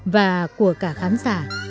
và của cả khán giả